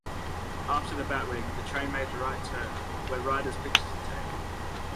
After the batwing, the train made a right turn, where riders' pictures are taken.